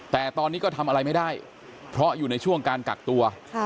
แต่ตอนนี้ก็ทำอะไรไม่ได้เพราะอยู่ในช่วงการกักตัว